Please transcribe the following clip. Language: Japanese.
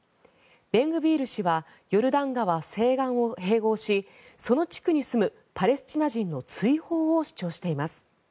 ベングビール氏はヨルダン川西岸を併合しその地区に住むパレスチナ人の追放を主張しています。